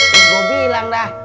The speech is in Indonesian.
gua bilang dah